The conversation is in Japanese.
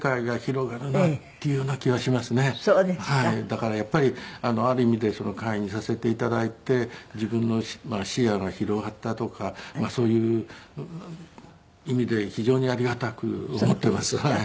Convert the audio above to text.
だからやっぱりある意味で会員にさせて頂いて自分の視野が広がったとかまあそういう意味で非常にありがたく思っています。